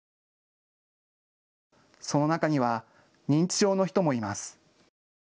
その中には認知症の人もいます。